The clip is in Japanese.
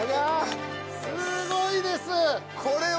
すごいです！